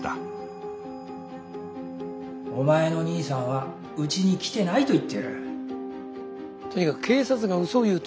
お前の兄さんはうちに来てないと言ってる。